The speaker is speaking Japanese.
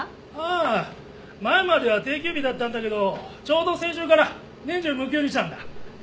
ああ前までは定休日だったんだけどちょうど先週から年中無休にしたんだ。